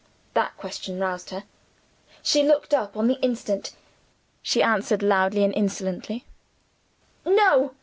That question roused her. She looked up, on the instant; she answered loudly and insolently: "No!"